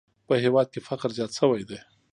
په هېواد کې فقر زیات شوی دی!